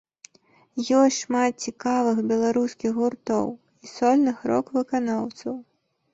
Ёсць шмат цікавых беларускіх гуртоў і сольных рок-выканаўцаў.